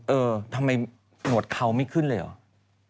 เออทำไมหนวดเขาไม่ขึ้นเลยเหรอ